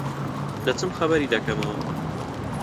دەچم خەبەری دەکەمەوە.